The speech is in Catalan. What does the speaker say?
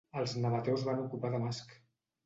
Els nabateus van ocupar Damasc.